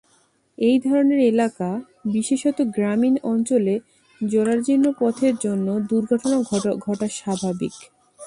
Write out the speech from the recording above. এই ধরণের এলাকা, বিশেষত গ্রামীণ অঞ্চলে জরাজীর্ণ পথের জন্য দুর্ঘটনা ঘটা স্বাভাবিক।